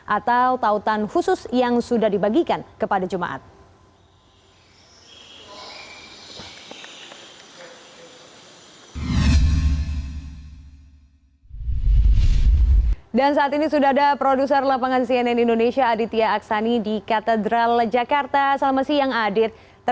atau tautan khusus yang sudah dibagikan kepada jemaat